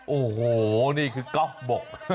โอ้โหนี่คือก๊อฟบก